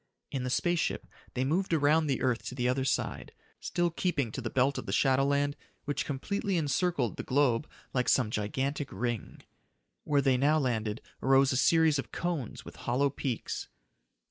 In the space ship, they moved around the earth to the other side, still keeping to the belt of shadowland which completely encircled the globe like some gigantic ring. Where they now landed arose a series of cones with hollow peaks.